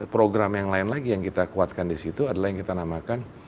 program yang lain lagi yang kita kuatkan di situ adalah yang kita namakan